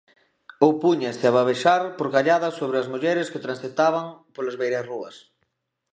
Ou púñase a babexar porcalladas sobre as mulleres que transitaban polas beirarrúas.